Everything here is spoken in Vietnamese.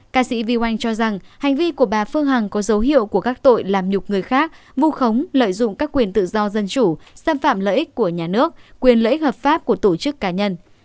ca sĩ viu anh cho rằng hành vi của bà phương hằng có dấu hiệu của các tội làm nhục người khác vu khống lợi dụng các quyền tự do dân chủ xâm phạm lợi ích của nhà nước quyền lợi ích hợp pháp của tổ chức cá nhân